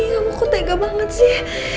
kamu kutega banget sih